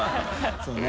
そうね。